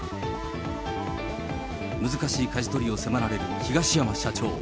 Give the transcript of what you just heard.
難しいかじ取りを迫られる東山社長。